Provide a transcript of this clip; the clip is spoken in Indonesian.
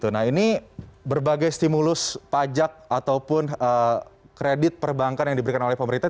nah ini berbagai stimulus pajak ataupun kredit perbankan yang diberikan oleh pemerintah